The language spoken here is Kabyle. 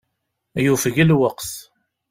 Yufeg lweqt.